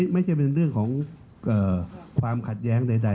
ไม่ใช่เป็นเรื่องของความขัดแย้งใด